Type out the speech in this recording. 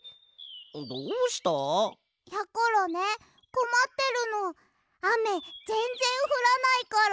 どうした？やころねこまってるのあめぜんぜんふらないから。